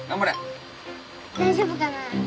大丈夫かな？